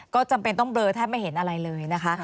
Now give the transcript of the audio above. ก็จำเป็นต้องเบลอแทบไม่เห็นอะไรเลยนะคะ